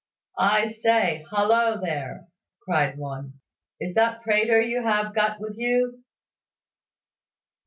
"I say; hollo there!" cried one. "Is that Prater you have got with you?"